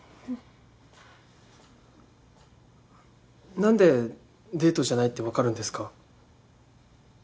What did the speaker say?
なんでデートじゃないってわかるんですか？